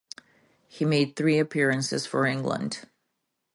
He made three appearances for England.